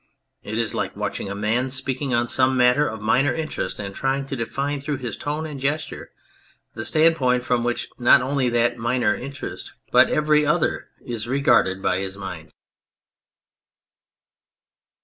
It is like watching a man speaking on some matter of minor interest and trying to define through his tone and gesture the standpoint from which not only that minor interest, but every other, is regarded by his mind.